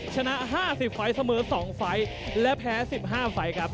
ชนะ๕๐ไฟล์เสมอ๒ไฟล์และแพ้๑๕ไฟล์ครับ